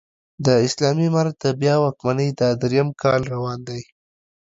د اسلامي امارت د بيا واکمنۍ دا درېيم کال روان دی